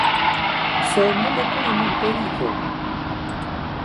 Să nu le punem în pericol!